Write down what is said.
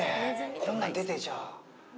こんなに出てちゃ。